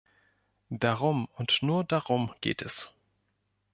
Darum und nur darum geht es.